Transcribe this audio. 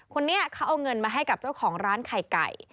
คนนี้เขาเอาเงินมาให้กับเจ้าของร้านไข่ไก่